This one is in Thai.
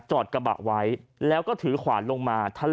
จอดกระบะไว้ถือขวานลงมาสนับสนุน